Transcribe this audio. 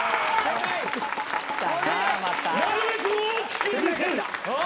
なるべく大きく見せる。